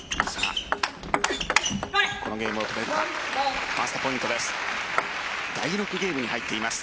このゲームをとれるかファーストポイントです。